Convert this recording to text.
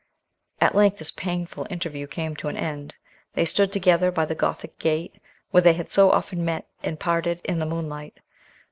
At length this painful interview came to an end. They stood together by the Gothic gate, where they had so often met and parted in the moonlight.